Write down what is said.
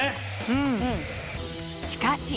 うん。